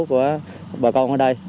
của bà con ở đây